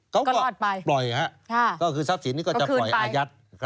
ก็รอดไปก็ปล่อยครับคือทรัพย์ศิลป์นี้ก็จะปล่อยอาญัต